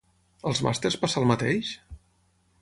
Als màsters passa el mateix?